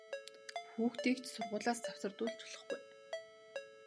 Хүүхдийг ч сургуулиас завсардуулж болохгүй!